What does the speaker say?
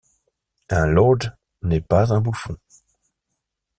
Un lord n’est pas un bouffon.